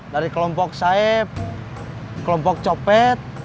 dari kelompok saib kelompok copet